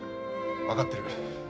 分かってる。